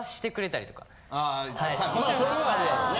まあそれはあるやろね。